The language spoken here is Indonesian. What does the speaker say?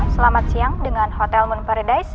selamat siang dengan hotel moon paradise